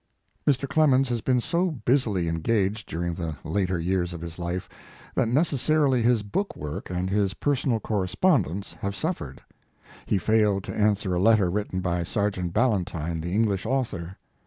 ig6 Mark Twain Mr. Clemens has been so busily en gaged during the later years of his life, that necessarily his book work and his personal correspondence have suffered. He failed to answer a letter written by Sergeant Ballantine, the English author.